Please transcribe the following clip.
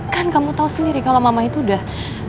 kan kamu tau sendiri kalo mama itu udah